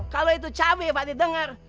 kalau itu cabai pak di denger